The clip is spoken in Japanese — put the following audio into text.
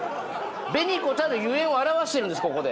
紅子たる由縁を表してるんですここで。